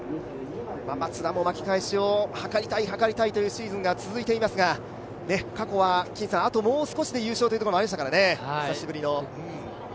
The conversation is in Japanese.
マツダも巻き返しを図りたいというシーズンが続いていますが、過去はあともう少しで優勝というところもありましたからね。